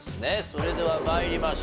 それでは参りましょう。